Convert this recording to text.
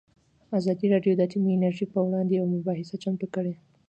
ازادي راډیو د اټومي انرژي پر وړاندې یوه مباحثه چمتو کړې.